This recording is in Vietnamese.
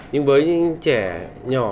nhưng với những trẻ nhỏ